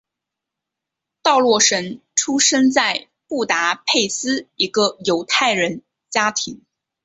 道洛什出生在布达佩斯一个犹太人家庭。